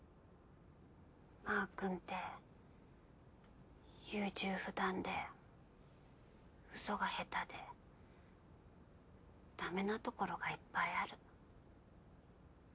マー君って優柔不断で嘘が下手でだめなところがいっぱいある。